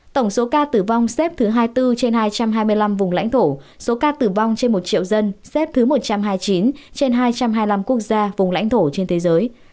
tổng số ca tử vong xếp thứ hai mươi bốn trên hai trăm hai mươi năm vùng lãnh thổ số ca tử vong trên một triệu dân xếp thứ một trăm hai mươi chín trên hai trăm hai mươi năm quốc gia vùng lãnh thổ trên thế giới